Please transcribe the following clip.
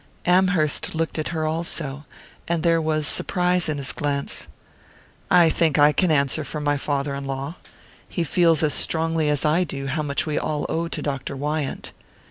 Amherst looked at her also, and there was surprise in his glance. "I think I can answer for my father in law. He feels as strongly as I do how much we all owe to Dr. Wyant."